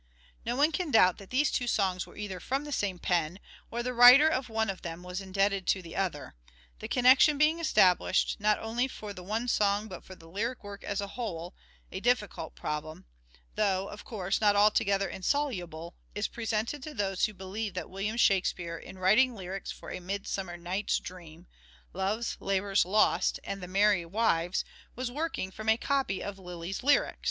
No one can doubt that these two songs were either from the same pen, or the writer of one of them was indebted to the other. The connection being established, not only for the one song but for the lyric work as a whole, a difficult problem, though, of course, not altogether insoluble, is presented to those who believe that William Shakspere in writing lyrics for " A Midsummer Night's Dream," " Love's Labour's Lost," and " The Merry Wives," was working from a copy of Lyly's Lyrics.